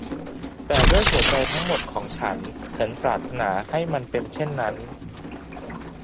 แต่ด้วยหัวใจทั้งหมดของฉัน ฉันปรารถนาให้มันเป็นเช่นนั้น